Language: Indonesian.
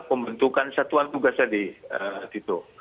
pembentukan satuan tugasnya di tito